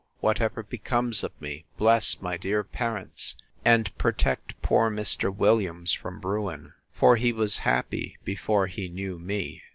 whatever becomes of me, bless my dear parents, and protect poor Mr. Williams from ruin! for he was happy before he knew me.